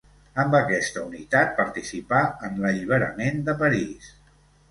Amb aquesta unitat participà en l'alliberament de París.